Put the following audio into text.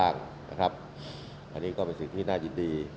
อันนี้ก็เป็นสิ่งที่น่ายินดี